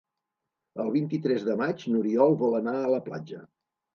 El vint-i-tres de maig n'Oriol vol anar a la platja.